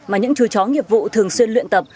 mà những chú chó nghiệp vụ thường xuyên luyện tập